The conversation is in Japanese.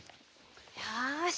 よし。